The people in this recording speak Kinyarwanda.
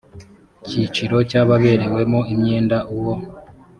cyiciro cy ababerewemo imyenda uwo